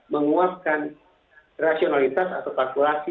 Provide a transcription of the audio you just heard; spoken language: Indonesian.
menguapkan rasionalitas atau kalkulasi